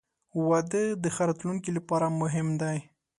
• واده د ښه راتلونکي لپاره مهم دی.